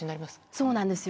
そうなんですよ